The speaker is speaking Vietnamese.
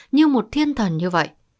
như một thiên thần như vậy